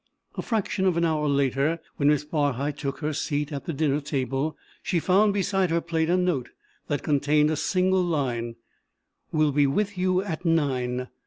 A fraction of an hour later, when Miss Barhyte took her seat at the dinner table, she found beside her plate a note that contained a single line: "Will be with you at nine.